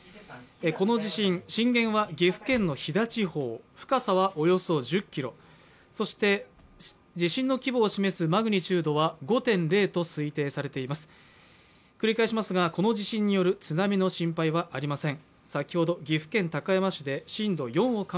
この地震、震源は岐阜県の飛騨地方深さはおよそ１０ｋｍ、そして地震の規模を示すマグニチュードは５．０と推定されています繰り返しますが、この地震による津波の心配はありません。